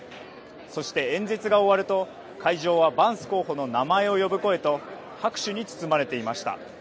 そして演説が終わると会場はバンス候補の名前を呼ぶ声と拍手に包まれていました。